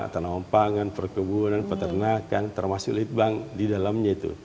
tanah pangan perkebunan peternakan termasuk lead bank di dalamnya itu